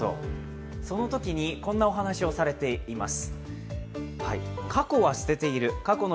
そのときに、こんなお話をされています。